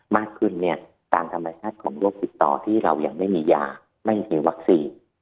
มากขึ้นเนี่ยตามธรรมชาติของโรคติดต่อที่เรายังไม่มียาไม่มีวัคซีน